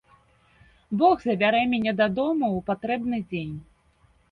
Бог забярэ мяне дадому ў патрэбны дзень.